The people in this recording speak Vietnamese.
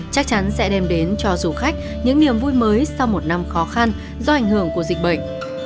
chắc chắn sẽ đem đến cho du khách những niềm vui mới sau một năm khó khăn do ảnh hưởng của dịch bệnh